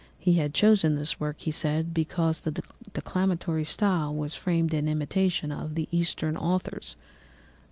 He had chosen this work, he said, because the declamatory style was framed in imitation of the Eastern authors.